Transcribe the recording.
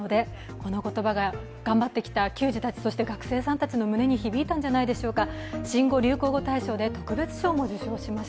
この言葉が頑張ってきた球児たちとして学生たちの胸に響いたのではないでしょうか。